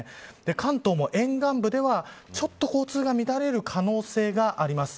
関東でも沿岸部ではちょっと交通が乱れる可能性があります。